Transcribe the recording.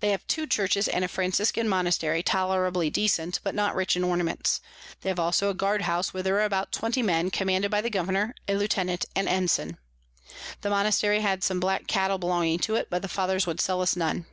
They have two Churches and a Franciscan Monastery tolerably decent, but not rich in Ornaments: They have also a Guard house, where there are about 20 Men commanded by the Governour, a Lieutenant, and Ensign. The Monastery had some black Cattel belonging to it, but the Fathers would sell us none.